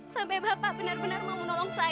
sampai bapak benar benar mau menolong saya